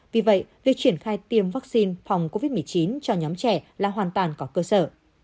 vì vậy việc triển khai tiêm vaccine phòng covid một mươi chín cho nhóm trẻ là hoàn toàn có cơ sở